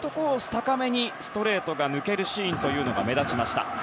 高めにストレートが抜けるシーンが目立ちました。